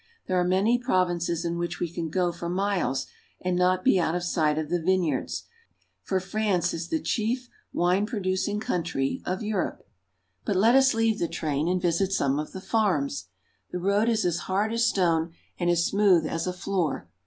There are many provinces in which we can go for miles and not be out of sight of the vineyards, for France is the chief wine producing country of Europe. 90 FRANCE. But let us leave the train and visit some, of the farms. The road is as hard as stone and as smooth as a floor.